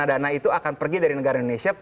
ini kan masukan saja sebenarnya